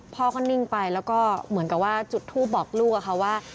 พ่อก็นิ่งไปแล้วก็เหมือนกับว่าจุดทูปบอกลูกอะค่ะว่า